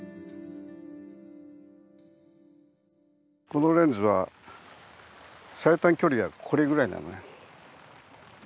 このレンズは最短距離がこれぐらいなのね。